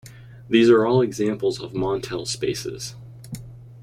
These are all examples of Montel spaces.